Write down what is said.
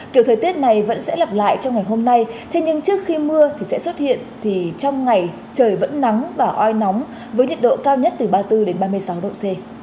kiểu thời tiết này vẫn sẽ lặp lại trong ngày hôm nay thế nhưng trước khi mưa thì sẽ xuất hiện thì trong ngày trời vẫn nắng và oi nóng với nhiệt độ cao nhất từ ba mươi bốn ba mươi sáu độ c